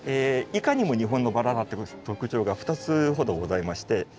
いかにも日本のバラだって特徴が２つほどございまして。